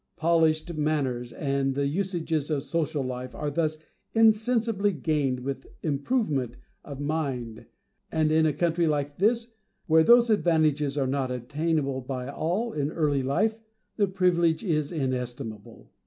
Polished manners and the usages of social life are thus insensibly gained with improvement of mind; and in a country like this, where those advantages are not attainable by all in early life, the privilege is inestimable.